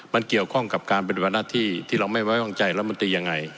มันเกี่ยวข้องกับการเป็นบรรณะที่ที่เราไม่ไว้วางใจและมุติยังไง